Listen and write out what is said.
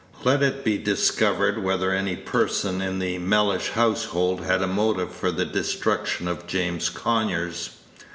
Let it be discovered whether any person in the Mellish household had a motive for the destruction of James Conyers.